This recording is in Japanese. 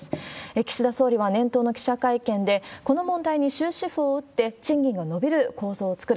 岸田総理は年頭の記者会見で、この問題に終止符を打って、賃金が伸びる構造を作る。